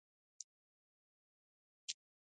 اوس دې دغه سپي